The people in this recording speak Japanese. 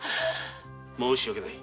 申し訳ない。